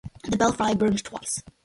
The belfry burned twice.